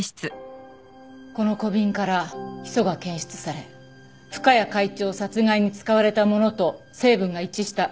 この小瓶からヒ素が検出され深谷会長殺害に使われたものと成分が一致した。